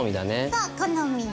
そう好み。